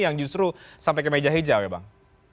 yang justru sampai ke meja hijau ya bang